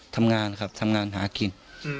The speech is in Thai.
ทำงานครับทำงานหากิน